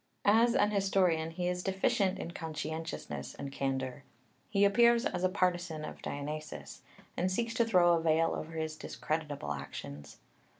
As an historian he is deficient in conscientiousness and candour; he appears as a partisan of Dionysius, and seeks to throw a veil over his discreditable actions.